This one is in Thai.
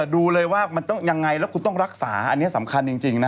ดูเลยว่ายังไงแล้วคุณต้องรักษาอันเนี้ยสำคัญจริงจริงนะฮะ